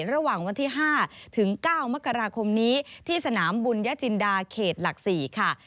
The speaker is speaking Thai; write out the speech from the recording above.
ระหว่างวันที่๕ถึง๙มกราคมนี้ที่สนามบุญญจินดาเขตหลัก๔ค่ะ